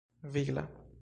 vigla